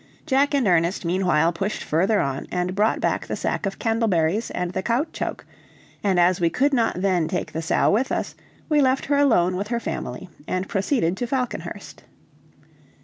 Jack and Ernest meanwhile pushed further on and brought back the sack of candleberries and the caoutchouc, and as we could not then take the sow with us, we left her alone with her family and proceeded to Falconhurst.